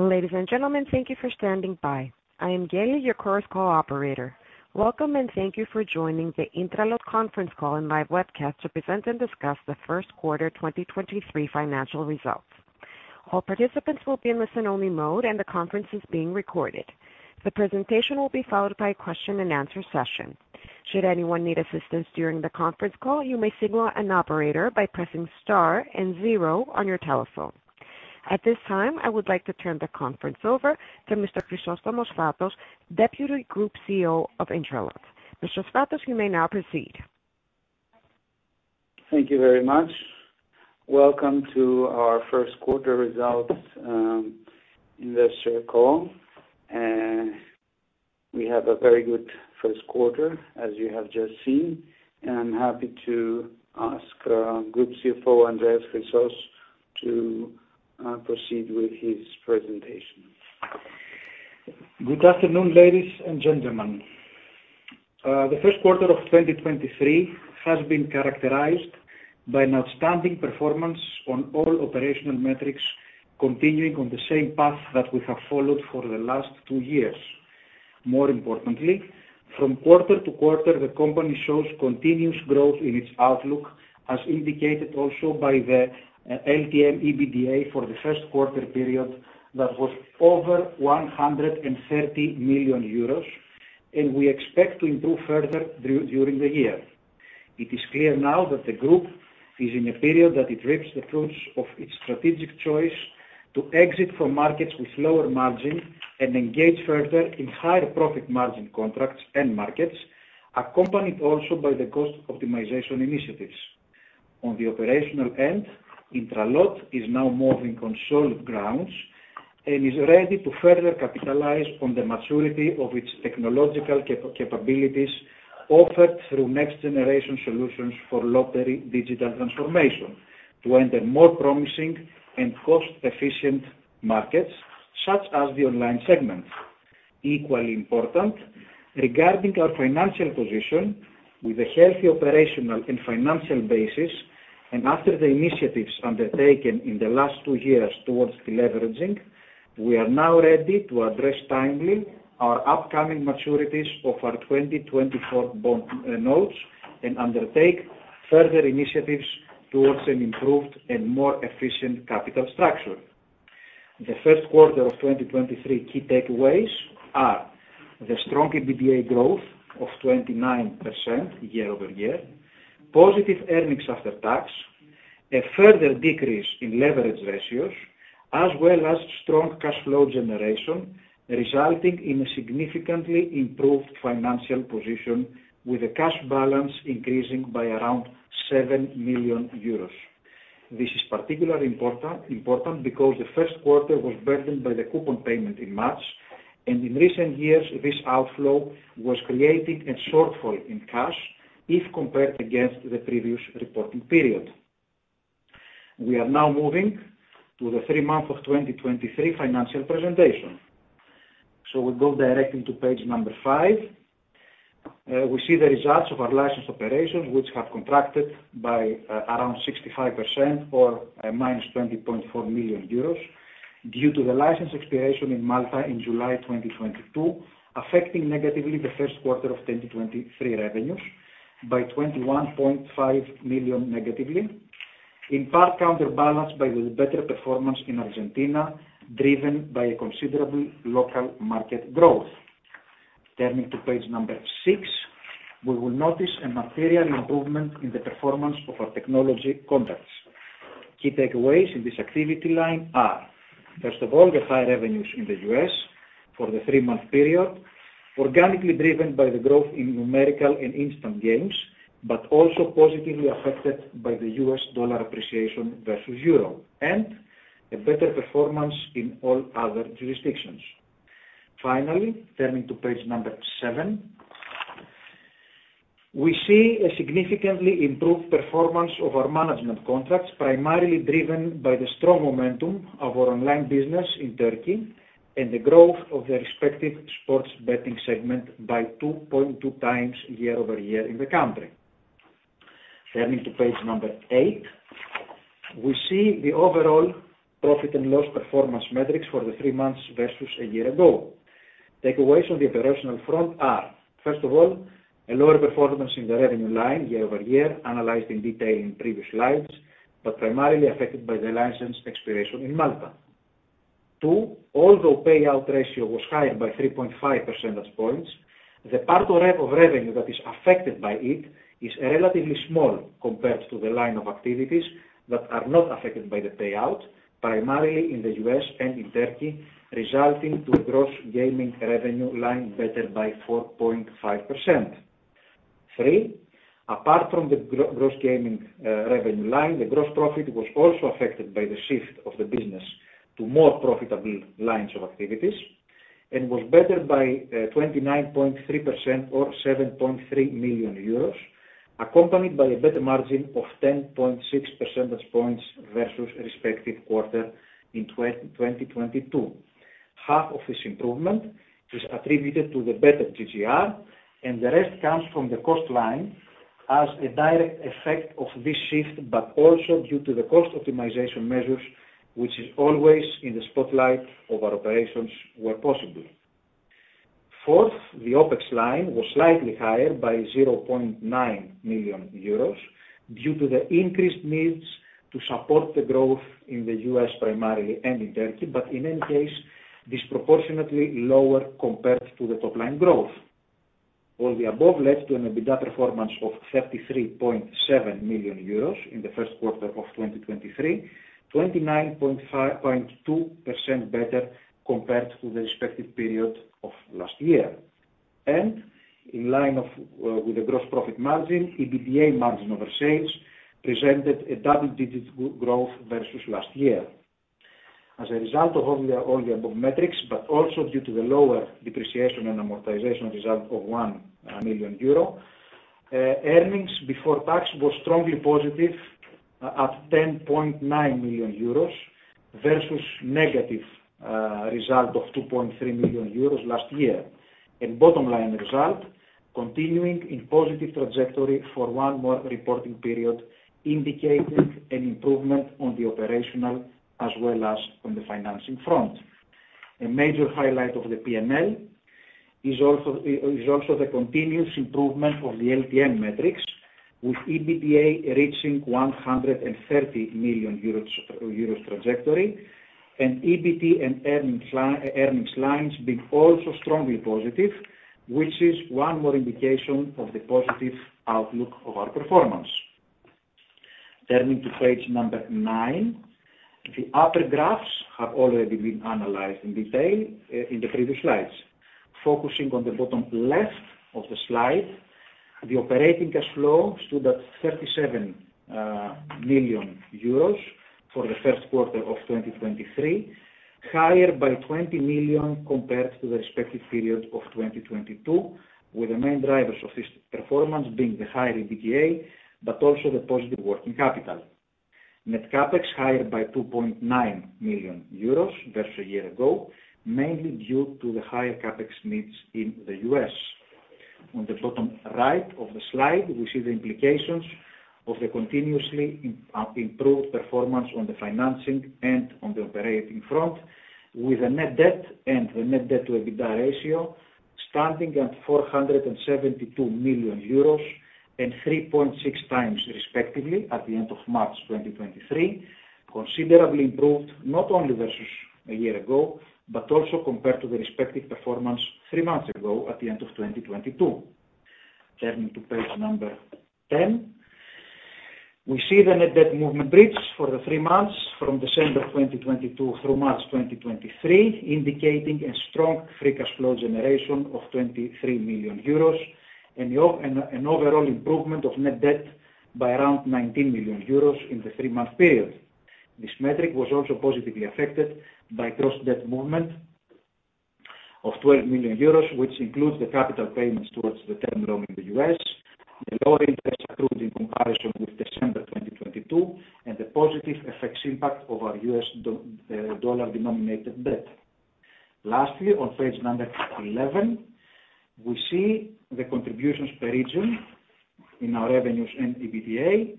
Ladies and gentlemen, thank you for standing by. I am Gailey, your current call operator. Welcome, and thank you for joining the Intralot Conference Call and Live Webcast to present and discuss the First Quarter 2023 Financial Results. All participants will be in listen-only mode, and the conference is being recorded. The presentation will be followed by a question and answer session. Should anyone need assistance during the conference call, you may signal an operator by pressing star and zero on your telephone. At this time, I would like to turn the conference over to Mr. Chrysostomos Sfatos, Deputy Group CEO of Intralot. Mr. Sfatos, you may now proceed. Thank you very much. Welcome to our First Quarter Results Investor Call, and we have a very good first quarter, as you have just seen, and I'm happy to ask Group CFO, Andreas Chrysos, to proceed with his presentation. Good afternoon, ladies and gentlemen. The first quarter of 2023 has been characterized by an outstanding performance on all operational metrics, continuing on the same path that we have followed for the last two years. More importantly, from quarter-to-quarter, the company shows continuous growth in its outlook, as indicated also by the LTM EBITDA for the first quarter period, that was over 130 million euros, and we expect to improve further during the year. It is clear now that the Group is in a period that it reaps the fruits of its strategic choice to exit from markets with lower margin and engage further in higher profit margin contracts and markets, accompanied also by the cost optimization initiatives. On the operational end, Intralot is now moving on solid grounds and is ready to further capitalize on the maturity of its technological capabilities offered through next-generation solutions for lottery digital transformation to enter more promising and cost-efficient markets, such as the online segment. Equally important, regarding our financial position, with a healthy operational and financial basis, and after the initiatives undertaken in the last two years towards deleveraging, we are now ready to address timely our upcoming maturities of our 2024 bond notes and undertake further initiatives towards an improved and more efficient capital structure. The first quarter of 2023 key takeaways are: the strong EBITDA growth of 29% year-over-year, positive earnings after tax, a further decrease in leverage ratios, as well as strong cash flow generation, resulting in a significantly improved financial position, with the cash balance increasing by around 7 million euros. This is particularly important because the first quarter was burdened by the coupon payment in March, and in recent years, this outflow was creating a shortfall in cash if compared against the previous reporting period. We are now moving to the three months of 2023 financial presentation. We go directly to page number five. We see the results of our Licensed Operations, which have contracted by around 65% or -20.4 million euros, due to the license expiration in Malta in July 2022, affecting negatively the first quarter of 2023 revenues by 21.5 million negatively, in part counterbalanced by the better performance in Argentina, driven by a considerably local market growth. Turning to page six, we will notice a material improvement in the performance of our Technology Contracts. Key takeaways in this activity line are, first of all, the high revenues in the U.S. for the three-month period, organically driven by the growth in Numerical and Instant Games, but also positively affected by the U.S. dollar appreciation versus euro, and a better performance in all other jurisdictions. Turning to page seven we see a significantly improved performance of our management contracts, primarily driven by the strong momentum of our online business in Turkey and the growth of the respective sports betting segment by 2.2 times year-over-year in the country. Turning to page eight, we see the overall profit and loss performance metrics for the three months versus a year ago. Takeaways on the operational front are, first of all, a lower performance in the revenue line year-over-year, analyzed in detail in previous slides, but primarily affected by the license expiration in Malta. 2, although payout ratio was higher by 3.5 percentage points, the part of revenue that is affected by it is relatively small compared to the line of activities that are not affected by the payout, primarily in the U.S. and in Turkey, resulting to a gross gaming revenue line better by 4.5%. three, apart from the gross gaming revenue line, the gross profit was also affected by the shift of the business to more profitable lines of activities and was better by 29.3% or 7.3 million euros, accompanied by a better margin of 10.6 percentage points versus respective quarter in 2022. Half of this improvement is attributed to the better GGR. The rest comes from the cost line as a direct effect of this shift, but also due to the cost optimization measures, which is always in the spotlight of our operations, where possible. Fourth, the OpEx line was slightly higher by 0.9 million euros due to the increased needs to support the growth in the U.S. primarily and in Turkey, but in any case, disproportionately lower compared to the top line growth. All the above led to an EBITDA performance of 33.7 million euros in the first quarter of 2023, 29.52% better compared to the respective period of last year. In line of with the gross profit margin, EBITDA margin of our sales presented a double-digit growth versus last year. As a result of all the above metrics, but also due to the lower depreciation and amortization reserve of 1 million euro, earnings before tax was strongly positive at 10.9 million euros, versus negative result of 2.3 million euros last year. Bottom line result, continuing in positive trajectory for one more reporting period, indicating an improvement on the operational as well as on the financing front. A major highlight of the P&L is also the continuous improvement of the LTM metrics, with EBITDA reaching 130 million euros trajectory, and EBT and earnings lines being also strongly positive, which is one more indication of the positive outlook of our performance. Turning to page number nine, the upper graphs have already been analyzed in detail in the previous slides. Focusing on the bottom left of the slide, the operating cash flow stood at 37 million euros for the first quarter of 2023, higher by 20 million compared to the respective period of 2022, with the main drivers of this performance being the higher EBITDA, but also the positive working capital. Net CapEx higher by 2.9 million euros versus a year ago, mainly due to the higher CapEx needs in the U.S. On the bottom right of the slide, we see the implications of the continuously improved performance on the financing and on the operating front, with a net debt and the net debt to EBITDA ratio standing at 472 million euros and 3.6 times, respectively, at the end of March 2023, considerably improved not only versus a year ago, but also compared to the respective performance three months ago at the end of 2022. Turning to page number 10, we see the net debt movement bridge for the three months from December 2022 through March 2023, indicating a strong free cash flow generation of 23 million euros and overall improvement of net debt by around 19 million euros in the three-month period. This metric was also positively affected by gross debt movement of 12 million euros, which includes the capital payments towards the term loan in the U.S., the lower interest accrued in comparison with December 2022, and the positive effects impact of our U.S. dollar-denominated debt. Lastly, on page number 11, we see the contributions per region in our revenues and EBITDA.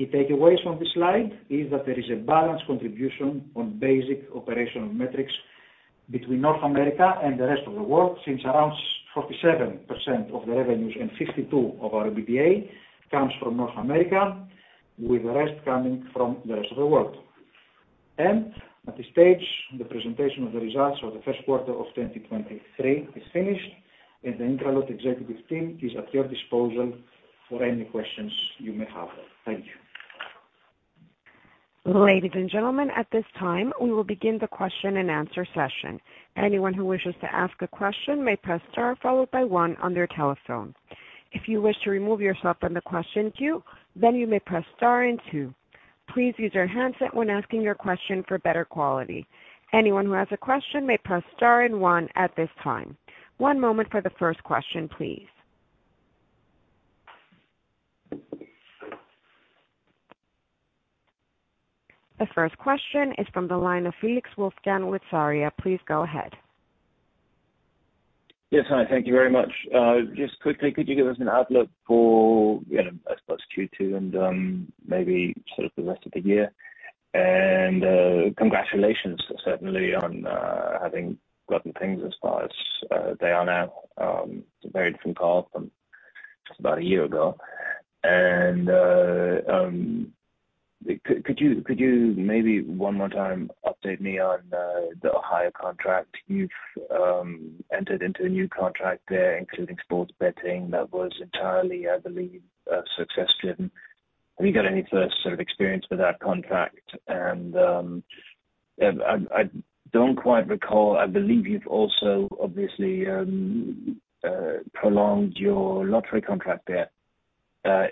Key takeaways from this slide is that there is a balanced contribution on basic operational metrics between North America and the rest of the world, since around 47% of the revenues and 52% of our EBITDA comes from North America, with the rest coming from the rest of the world. At this stage, the presentation of the results for the first quarter of 2023 is finished, and the Intralot executive team is at your disposal for any questions you may have. Thank you. Ladies and gentlemen, at this time, we will begin the question and answer session. Anyone who wishes to ask a question may press star followed by one on their telephone. If you wish to remove yourself from the question queue, you may press star and two. Please use your handset when asking your question for better quality. Anyone who has a question may press star and one at this time. One moment for the first question, please. The first question is from the line of Wolfgang Felix with Sarria. Please go ahead. Yes, hi. Thank you very much. Just quickly, could you give us an outlook for, you know, I suppose Q2 and maybe sort of the rest of the year? Congratulations, certainly on having gotten things as far as they are now. Very different call from about a year ago. Could you maybe one more time update me on the Ohio contract? You've entered into a new contract there, including sports betting. That was entirely, I believe, success driven. Have you got any first sort of experience with that contract? I don't quite recall. I believe you've also, obviously, prolonged your lottery contract there.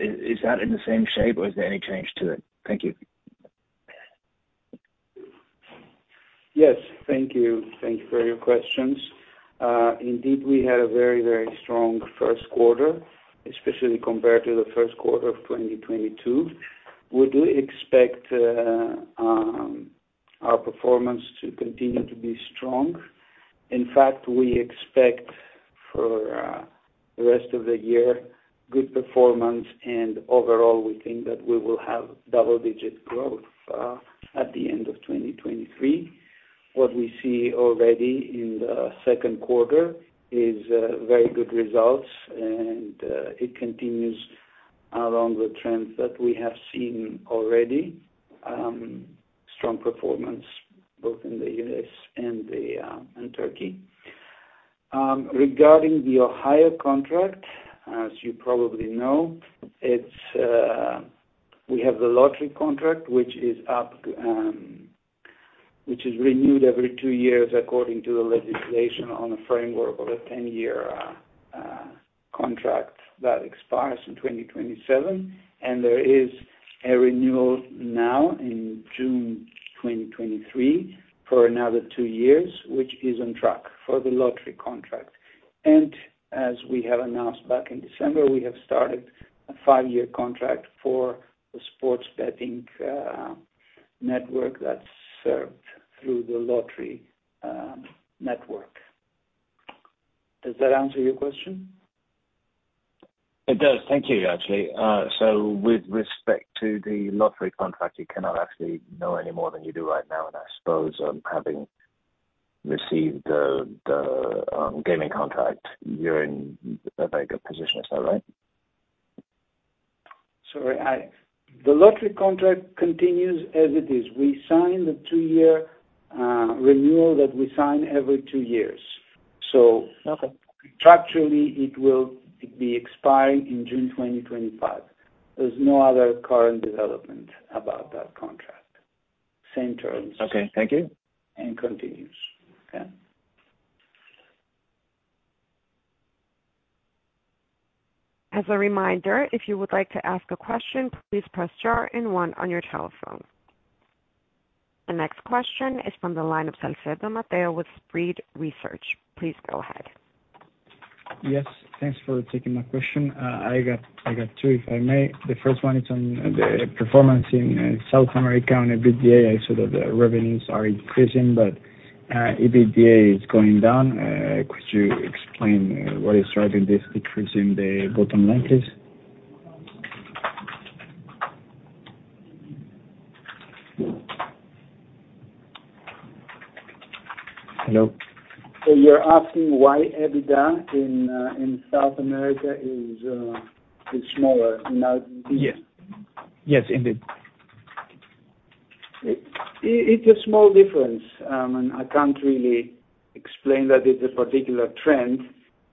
Is that in the same shape, or is there any change to it? Thank you. Yes. Thank you. Thank you for your questions indeed, we had a very, very strong first quarter, especially compared to the first quarter of 2022. We do expect our performance to continue to be strong. In fact, we expect for the rest of the year, good performance, and overall, we think that we will have double-digit growth at the end of 2023. What we see already in the second quarter is very good results, and it continues along the trends that we have seen already. Strong performance both in the U.S. and in Turkey. Regarding the Ohio contract, as you probably know, it's we have the lottery contract, which is up, which is renewed every two years according to the legislation on a framework of a 10-year contract that expires in 2027. There is a renewal now in June 2023 for another two years, which is on track for the lottery contract. As we have announced back in December, we have started a five-year contract for the sports betting network that's served through the lottery network. Does that answer your question? It does. Thank you. With respect to the lottery contract, you cannot actually know any more than you do right now, and I suppose, having received the gaming contract, you're in a very good position, is that right? Sorry, the lottery contract continues as it is. We signed the two-year renewal that we sign every two years. Okay. Structurally, it will be expiring in June 2025. There's no other current development about that contract. Same terms. Okay, thank you. Continues. Okay. As a reminder, if you would like to ask a question, please press star and one on your telephone. The next question is from the line of Salcedo Mateo with Spread Research. Please go ahead. Yes, thanks for taking my question. I got two, if I may. The first one is on the performance in South America and EBITDA. I saw that the revenues are increasing, but EBITDA is going down. Could you explain what is driving this increase in the bottom line, please? Hello? You're asking why EBITDA in South America is smaller now? Yes. Yes, indeed. It's a small difference, and I can't really explain that it's a particular trend.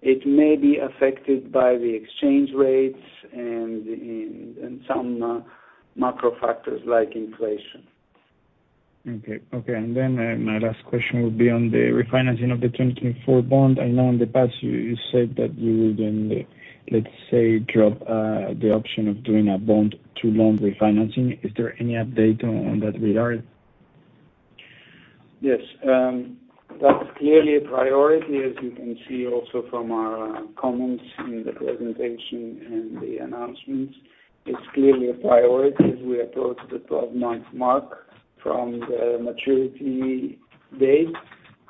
It may be affected by the exchange rates and some macro factors like inflation. Okay. Okay, my last question would be on the refinancing of the 2024 bond. I know in the past you said that you would then, let's say, drop, the option of doing a bond to bond refinancing. Is there any update on that regard? Yes. That's clearly a priority, as you can see also from our comments in the presentation and the announcements. It's clearly a priority as we approach the 12-month mark from the maturity date.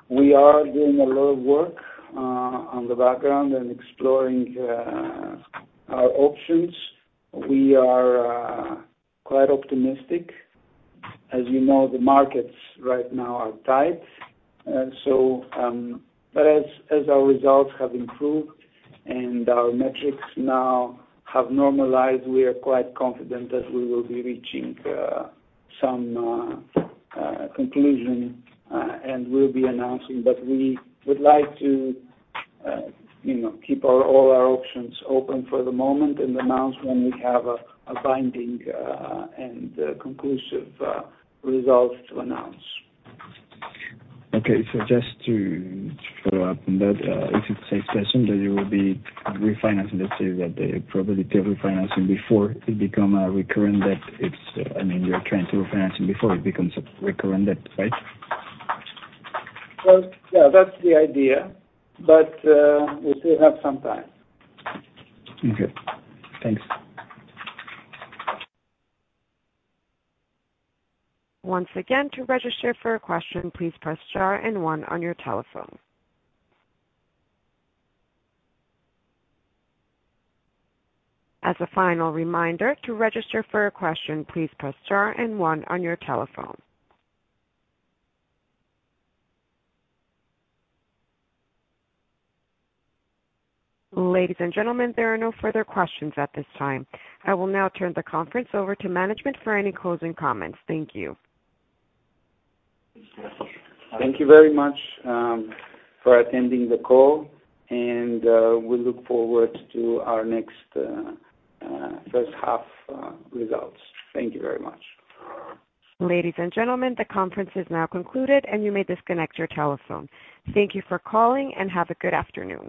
We are doing a lot of work on the background and exploring our options. We are quite optimistic. As you know, the markets right now are tight, as our results have improved and our metrics now have normalized, we are quite confident that we will be reaching some conclusion and we'll be announcing. We would like to, you know, keep our, all our options open for the moment and announce when we have a binding and conclusive results to announce. Just to follow up on that, if it's safe to assume that you will be refinancing, let's say, that the probability of refinancing before it become a recurrent, that it's, I mean, you're trying to refinance before it becomes a recurrent debt, right? Yeah, that's the idea, but, we still have some time. Okay, thanks. Once again, to register for a question, please press star and one on your telephone. As a final reminder, to register for a question, please press star and one on your telephone. Ladies and gentlemen, there are no further questions at this time. I will now turn the conference over to management for any closing comments. Thank you. Thank you very much, for attending the call, and we look forward to our next first half results. Thank you very much. Ladies and gentlemen, the conference is now concluded, and you may disconnect your telephone. Thank you for calling, and have a good afternoon.